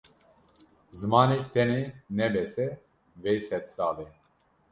Zimanek tenê ne bes e vê sedsalê.